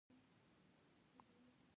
خزانه دار څه مسوولیت لري؟